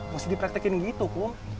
mesti dipraktekin gitu kum